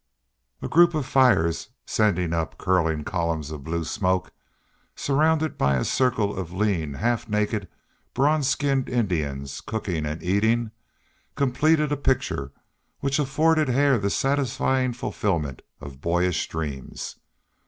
A group of fires, sending up curling columns of blue smoke, and surrounded by a circle of lean, half naked, bronze skinned Indians, cooking and eating, completed a picture which afforded Hare the satisfying fulfilment of boyish dreams.